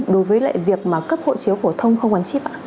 đối với lại việc mà cấp hộ chiếu phổ thông không gắn chip ạ